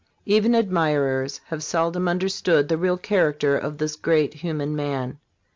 Even admirers have seldom understood the real char acter of this great human man.